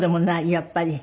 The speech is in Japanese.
やっぱり。